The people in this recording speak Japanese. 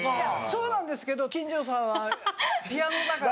そうなんですけど金城さんはピアノだから。